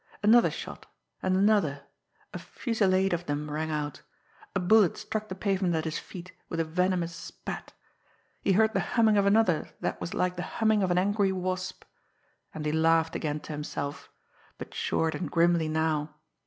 Another shot, and another, a fusillade of them rang out. A bullet struck the pavement at his feet with a venomous spat. He heard the humming of another that was like the humming of an angry wasp. And he laughed again to himself but short and grimly now.